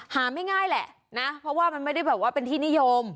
ไม่ง่ายแหละนะเพราะว่ามันไม่ได้แบบว่าเป็นที่นิยม